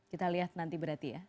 kita lihat nanti berarti ya